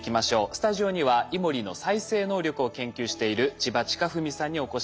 スタジオにはイモリの再生能力を研究している千葉親文さんにお越し頂きました。